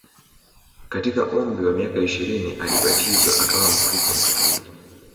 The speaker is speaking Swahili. Katika umri wa miaka ishirini alibatizwa akawa mkristo Mkatoliki